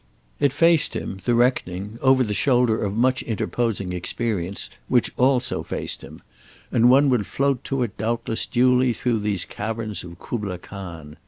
It faced him, the reckoning, over the shoulder of much interposing experience—which also faced him; and one would float to it doubtless duly through these caverns of Kubla Khan.